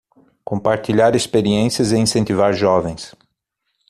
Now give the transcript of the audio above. Compartilhar experiências e incentivar jovens